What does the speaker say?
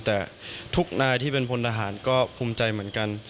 แต่ทุกนายที่เป็นพลทหารก็ภูมิใจเหมือนกัน